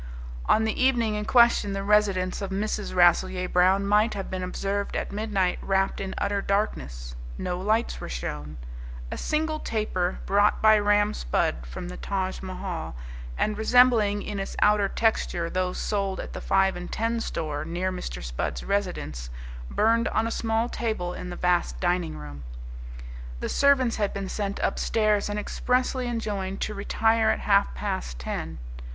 On the evening in question the residence of Mrs. Rasselyer Brown might have been observed at midnight wrapped in utter darkness. No lights were shown. A single taper, brought by Ram Spudd from the Taj Mohal, and resembling in its outer texture those sold at the five and ten store near Mr. Spudd's residence, burned on a small table in the vast dining room. The servants had been sent upstairs and expressly enjoined to retire at half past ten.